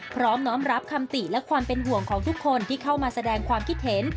พร้อมน้อมรับคำติและความเป็นห่วงของทุกคนที่เข้ามาแสดงความคิดเห็น